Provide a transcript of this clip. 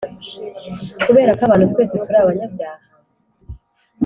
kubera ko abantu twese turi abanyabyaha